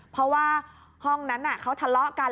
เพราะว่าห้องนั้นเขาทะเลาะกัน